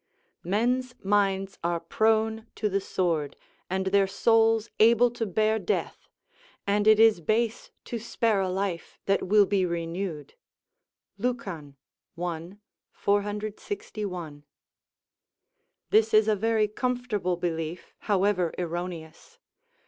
["Men's minds are prone to the sword, and their souls able to bear death; and it is base to spare a life that will be renewed." Lucan, i. 461.] This is a very comfortable belief, however erroneous.